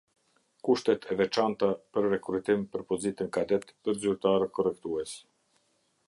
Kushtet e veçanta për rekrutim për pozitën kadet për zyrtarë korrektues.